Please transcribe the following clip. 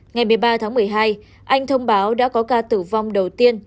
ngày một mươi ba tháng một mươi hai anh thông báo đã có ca tử vong đầu tiên